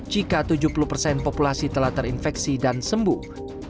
jika tujuh puluh persen populasi telah terinfeksi dan sembuh